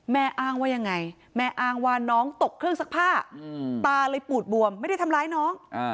อ้างว่ายังไงแม่อ้างว่าน้องตกเครื่องซักผ้าตาเลยปูดบวมไม่ได้ทำร้ายน้อง